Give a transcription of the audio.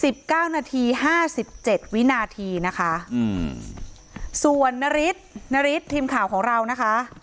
เก้านาทีห้าสิบเจ็ดวินาทีนะคะอืมส่วนนฤทธินฤทธิ์ทีมข่าวของเรานะคะ